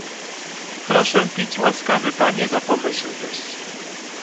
"Proszę pić, łaskawy panie, za pomyślność."